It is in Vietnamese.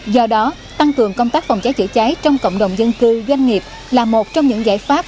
do đó tăng cường công tác phòng cháy chữa cháy trong cộng đồng dân cư doanh nghiệp là một trong những giải pháp